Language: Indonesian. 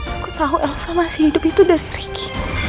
aku tahu elsa masih hidup itu dari ricky